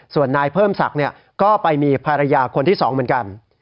ส่วนนายเพิ่มศักดิ์ก็ไปมีภรรยาคนที่๒เหมือนกัน